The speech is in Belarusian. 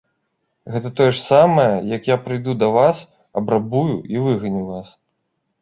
Гэта тое ж самае, як я прыйду да вас, абрабую і выганю вас.